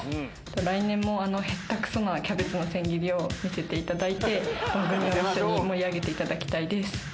来年もあの下手くそなキャベツの千切りを見せていただいて、番組を一緒に盛り上げていただきたいです。